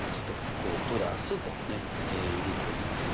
こう＋とね入れてあげます。